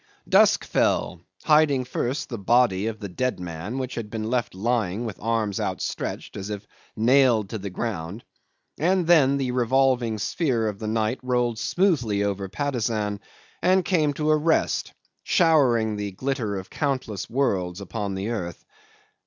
'Dusk fell, hiding first the body of the dead man, which had been left lying with arms outstretched as if nailed to the ground, and then the revolving sphere of the night rolled smoothly over Patusan and came to a rest, showering the glitter of countless worlds upon the earth.